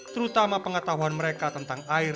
terutama pengetahuan mereka tentang air dan air